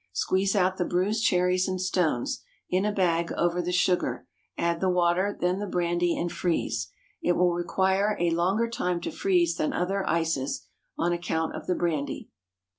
Squeeze out the bruised cherries and stones, in a bag over the sugar; add the water, then the brandy, and freeze. It will require a longer time to freeze than other ices, on account of the brandy.